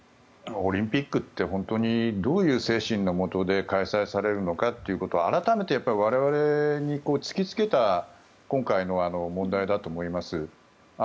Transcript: オリンピックって本当にどういう精神のもとで開催されるのかっていうことを改めて、我々に突きつけた今回の問題だと思います。